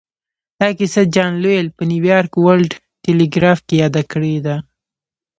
دا کيسه جان لويل په نيويارک ورلډ ټيليګراف کې ياده کړې ده.